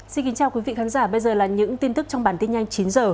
xin kính chào quý vị khán giả bây giờ là những tin tức trong bản tin nhanh chín h